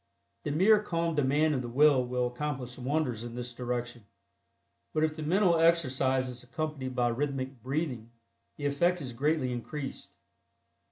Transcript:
The mere calm demand of the Will will accomplish wonders in this direction, but if the mental exercise is accompanied by rhythmic breathing, the effect is greatly increased.